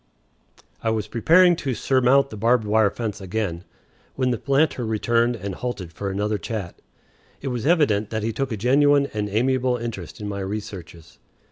I was preparing to surmount the barbed wire fence again, when the planter returned and halted for another chat. It was evident that he took a genuine and amiable interest in my researches.